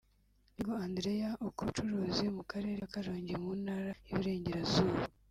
Binego Andrea ukora ubucuruzi mu Karere ka Karongi mu Ntara y’iburengerazuba